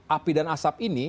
api dan asap ini